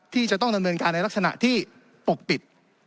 ที่จะต้องดำเนินการในลักษณะที่ปกปิด